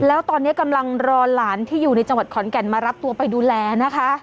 แล้วตอนนี้กำลังรอหลานที่อยู่ในจังหวัดขอนแก่นมารับตัวไปดูแลนะคะ